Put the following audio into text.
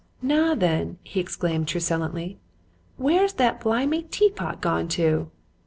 "'Naa, then!' he exclaimed truculently, 'where's that blimy teapot gone to?